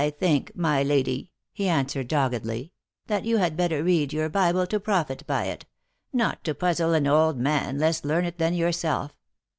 1 think, my lady," he answered, doggedly, " that you had better read your Bible to profit by it ; not to puzzle an old man less learned than yourself.